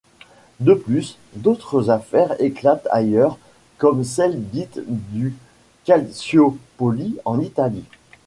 De plus d'autres affaire éclatent ailleurs comme celle dite du Calciopoli en Italie.